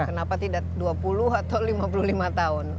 kenapa tidak dua puluh atau lima puluh lima tahun